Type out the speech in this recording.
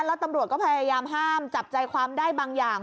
แล้วตำรวจก็พยายามห้ามจับใจความได้บางอย่าง